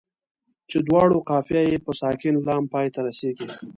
چې دواړو قافیه یې په ساکن لام پای ته رسيږي.